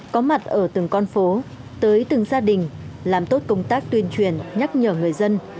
có mặt ở từng con phố tới từng gia đình làm tốt công tác tuyên truyền nhắc nhở người dân